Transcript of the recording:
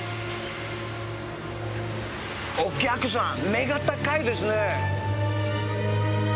お客さん目が高いですね！